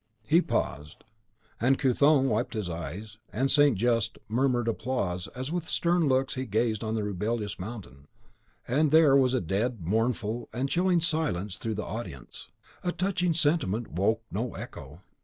He paused; and Couthon wiped his eyes, and St. Just murmured applause as with stern looks he gazed on the rebellious Mountain; and there was a dead, mournful, and chilling silence through the audience. The touching sentiment woke no echo.